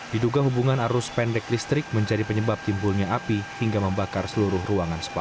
diduga hubungan arus pendek listrik menjadi penyebab timbulnya api hingga membakar seluruh ruangan sekolah